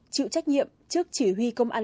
chịu trách nhiệm trước chỉ huy công an